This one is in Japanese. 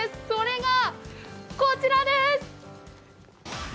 それがこちらです。